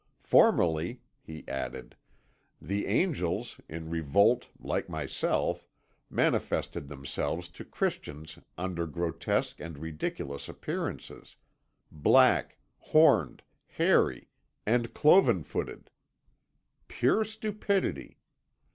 Formerly," he added, "the angels, in revolt like myself, manifested themselves to Christians under grotesque and ridiculous appearances, black, horned, hairy, and cloven footed. Pure stupidity!